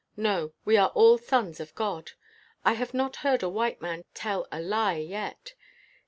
No; we are all sons of God.' I have not heard a white man tell a lie yet.